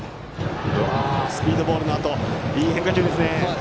スピードボールのあとにいい変化球です。